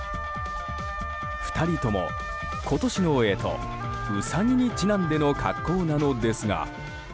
２人とも今年の干支うさぎにちなんでの格好なのですが。